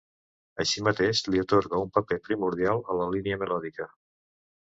Així mateix li atorga un paper primordial a la línia melòdica.